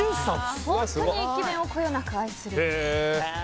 本当に駅弁をこよなく愛する。